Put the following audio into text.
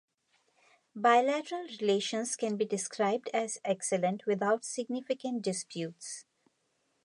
Bilateral relations can be described as excellent without significant disputes.